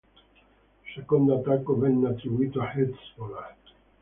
Il secondo attacco venne attribuito a Hezbollah.